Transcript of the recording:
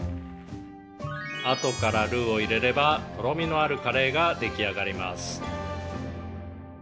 「あとからルウを入れればとろみのあるカレーが出来上がります」